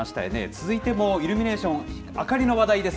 続いてもイルミネーション、明かりの話題です。